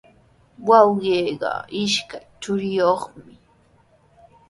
Wawqiiqa ishkay churiyuqmi.